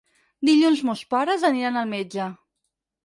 Dilluns mons pares aniran al metge.